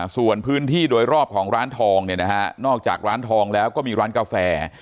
ส่วนพื้นที่โดยรอบของร้านทองเนี่ยนะฮะนอกจากร้านทองแล้วก็มีร้านกาแฟ